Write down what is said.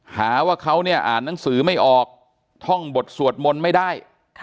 หาว่าเขาเนี่ยอ่านหนังสือไม่ออกท่องบทสวดมนต์ไม่ได้